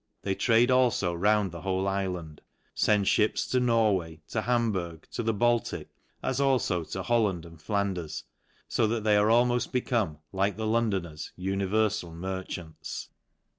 They trade alfo round the whole ifland ; fend (hips to Norway, to Hamburgh, to the Baltic, as alfo to Holland and Flanders ; fo that they are almoft become, like the Londoners, univerfal merchants.